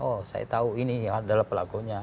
oh saya tahu ini adalah pelakunya